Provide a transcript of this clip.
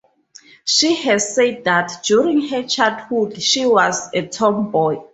She has said that, during her childhood, she was a tomboy.